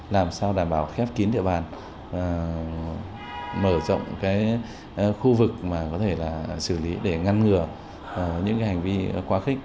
làm sao đảm bảo khép kín địa bàn mở rộng khu vực mà có thể xử lý để ngăn ngừa những hành vi quá khích